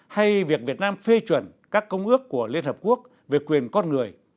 hay việc việt nam phê chuẩn các công ước của liên hợp quốc về quyền con người